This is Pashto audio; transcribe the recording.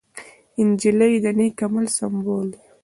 نجلۍ د نېک عمل سمبول ده.